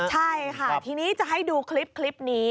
ใช่ค่ะทีนี้จะให้ดูคลิปนี้